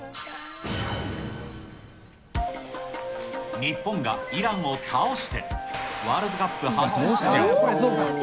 日本がイランを倒して、ワールドカップ初出場。